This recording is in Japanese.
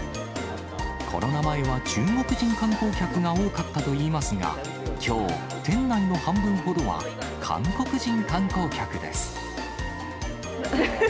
コロナ前は中国人観光客が多かったといいますが、きょう、店内の半分ほどは、韓国人観光客です。